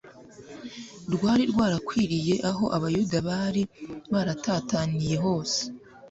rwari rwarakwiriye aho abayuda bari baratataniye hose,